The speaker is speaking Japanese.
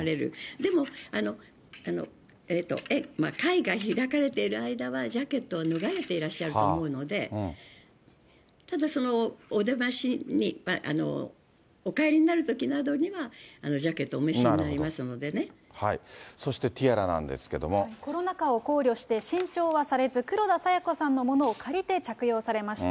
でも、会が開かれている間はジャケットを脱がれていらっしゃると思うので、ただお出ましに、お帰りになるときなどにはジャケットをお召しにそしてティアラなんですけどコロナ禍を考慮して、新調はされず、黒田清子さんのものを借りて着用されました。